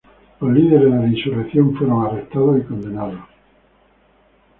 Los líderes de la insurrección fueron arrestados y condenados.